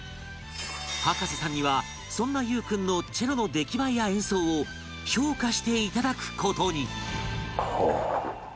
葉加瀬さんにはそんな遊君のチェロの出来栄えや演奏を評価して頂く事に